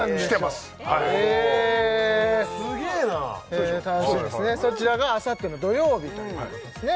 すげえなそちらがあさっての土曜日ということですね